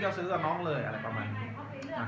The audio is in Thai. แต่ว่าเมืองนี้ก็ไม่เหมือนกับเมืองอื่น